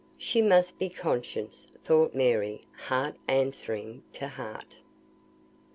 She must be conscious, thought Mary, heart answering heart.